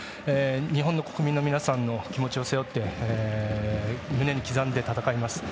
日本の国民の皆さんの気持ちを背負って胸に刻んで戦います。